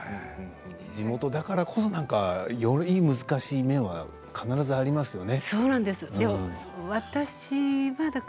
地元だからこそより難しい面は必ずありますよね。